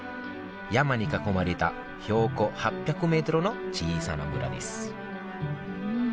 山に囲まれた標高８００ｍの小さな村です